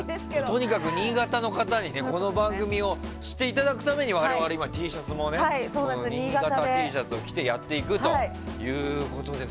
とにかく新潟の方にこの番組を知っていただくために我々、今Ｔシャツも新潟Ｔシャツを着てやっていくということで。